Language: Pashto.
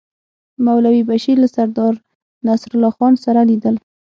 مولوي بشیر له سردار نصرالله خان سره لیدل.